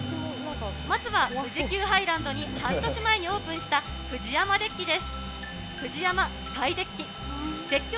まずは富士急ハイランドに半年前にオープンしたフジヤマデッキです。